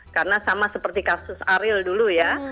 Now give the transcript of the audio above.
karena sama seperti kasus ariel dulu ya